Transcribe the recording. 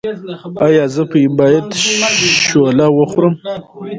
ایا زه باید شوله وخورم؟